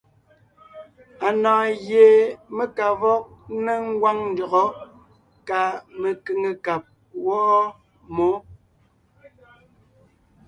Anɔ̀ɔn gie mé ka vɔg ńnéŋ ngwáŋ ndÿɔgɔ́ kà mekʉ̀ŋekab wɔ́ɔ mǒ.